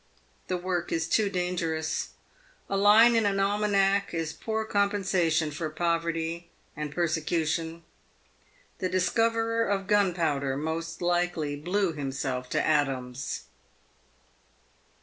The work is too dangerous. A line in an almanack is poor compensation for poverty and persecution. The discoverer of gun powder most likely blew himself to atoms.